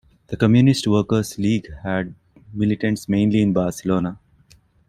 The Communist Workers League had militants mainly in Barcelona.